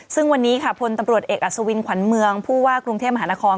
ซึ่งวันนี้ค่ะพลตำรวจเอกอัศวินขวัญเมืองผู้ว่ากรุงเทพมหานคร